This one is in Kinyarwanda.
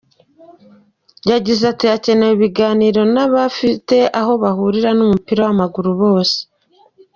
Yagize ati “Hakenewe ibiganiro n’abafite aho bahurira n’umupira w’amaguru bose.